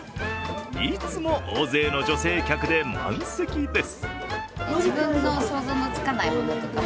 いつも大勢の女性客で満席です。